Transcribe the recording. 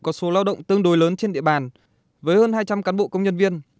có số lao động tương đối lớn trên địa bàn với hơn hai trăm linh cán bộ công nhân viên